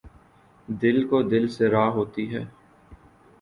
دِل کو دِل سے راہ ہوتی ہے